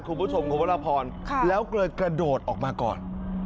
คุณผู้ชมคุณพระราพรแล้วเลยกระโดดออกมาก่อน